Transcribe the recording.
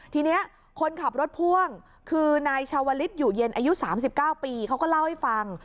ทีนี้คนขับรถพ่วงคือนายชาวลิศอยู่เย็นอายุ๓๙ปีเขาก็เล่าให้ฟัง